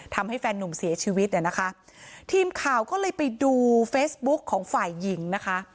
แฟนนุ่มเสียชีวิตเนี่ยนะคะทีมข่าวก็เลยไปดูเฟซบุ๊กของฝ่ายหญิงนะคะ